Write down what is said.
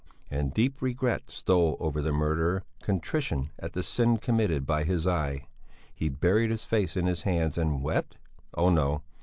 And deep regret stole over the murderer, contrition at the sin committed by his eye; he buried his face in his hands and wept? Oh, no!